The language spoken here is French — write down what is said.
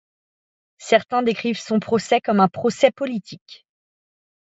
Certains décrivent son procès comme un procès politique.